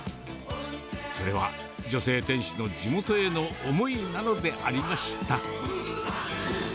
それは女性店主の地元への思いなのでありました。